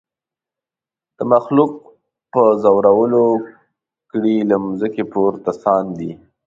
د مخلوق په زورولو کړي له مځکي پورته ساندي